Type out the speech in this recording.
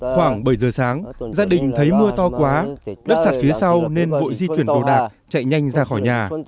khoảng bảy giờ sáng gia đình thấy mưa to quá đất sạt phía sau nên vội di chuyển đồ đạc chạy nhanh ra khỏi nhà